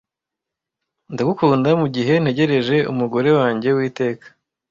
ndagukunda mugihe ntegereje umugore wanjye w'iteka